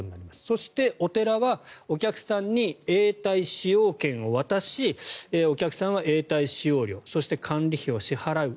そして、お寺はお客さんに永代使用権を渡しお客さんは永代使用料そして管理費を支払う。